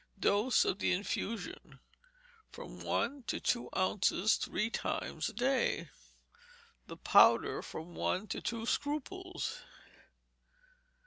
Dose, of the infusion, from one to two ounces, three times a day; of the powder, from one to two scruples.